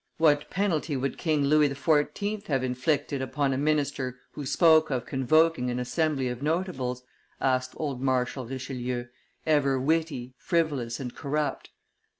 "What penalty would King Louis XIV. have inflicted upon a minister who spoke of convoking an assembly of notables?" asked old Marshal Richelieu, ever witty, frivolous, and corrupt.